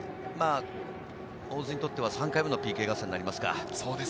大津にとっては３回目のＰＫ合戦になりますか。